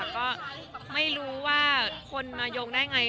ก็ไม่รู้ว่าคนด้วยได้ยงได้ไง